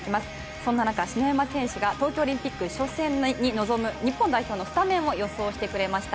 そんな中、篠山選手が東京オリンピック初戦に臨む日本代表のスタメンを予想してくれました。